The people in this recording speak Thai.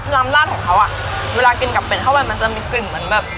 ลาดของเขาอ่ะเวลากินกับเป็ดเข้าไปมันจะมีกลิ่นเหมือนแบบ